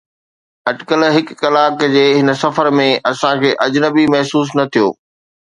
اٽڪل هڪ ڪلاڪ جي هن سفر ۾، اسان کي اجنبي محسوس نه ٿيو.